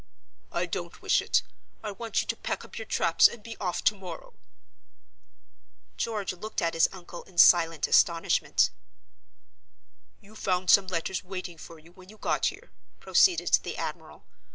"I don't wish it. I want you to pack up your traps and be off to morrow." George looked at his uncle in silent astonishment. "You found some letters waiting for you when you got here," proceeded the admiral.